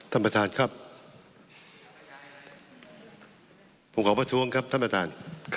ผมขอแพทย์ชวงครับท่านประธาน